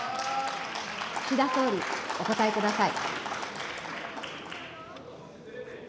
岸田総理、お答えください。